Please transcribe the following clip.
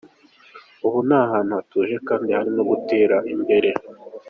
Ubu ni ahantu hatuje, kandi harimo gutera imbere.